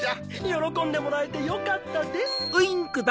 よろこんでもらえてよかったです！